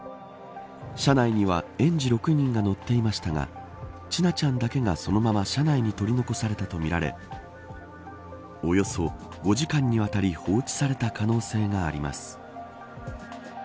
車内には園児６人が乗っていましたが千奈ちゃんだけがそのまま車内に取り残されたとみられおよそ５時間にわたり放置された可能性があります。